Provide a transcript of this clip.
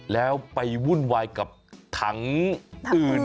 แล้วไปวุ่นวายกับถังอื่น